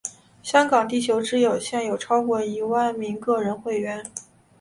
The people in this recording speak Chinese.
香港地球之友现有超过一万名个人会员。